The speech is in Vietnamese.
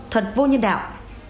thật vô nhân đạo